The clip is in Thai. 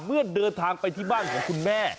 เมื่อเดินทางไปที่บ้านของคุณแม่